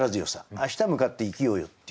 明日へ向かって生きようよっていう。